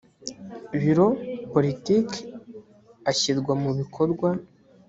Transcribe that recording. biro politiki ashyirwa mu bikorwa